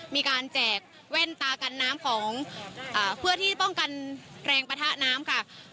มีการแจกแว่นตากันน้ำเพื่อที่จะป้องกันแรงประทะน้ำค่ะ